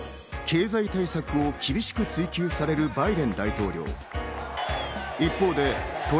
経済対策を厳しく追及されるバイデン大統領。